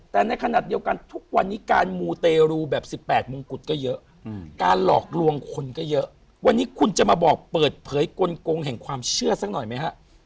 แต่ในขณะเดียวกันทุกวันนี้การมูเตรูแบบ๑๘มงกุฎก็เยอะการหลอกลวงคนก็เยอะวันนี้คุณจะมาบอกเปิดเผยกลงแห่งความเชื่อสักหน่อยไหมฮะ